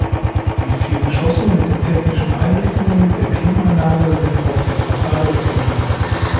Die vier Geschosse mit den technischen Einrichtungen der Klimaanlage sind auf der Fassade erkennbar.